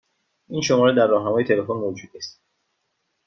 این شماره در راهنمای تلفن موجود نیست.